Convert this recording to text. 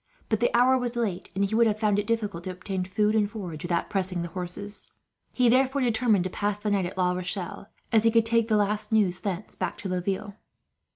But the hour was late, and he would have found it difficult to obtain food and forage, without pressing the horses. He therefore determined to pass the night at La Rochelle, as he could take the last news, thence, back to Laville.